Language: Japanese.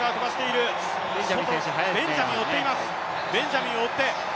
外、ベンジャミンを追っています。